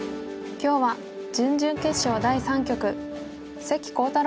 今日は準々決勝第３局関航太郎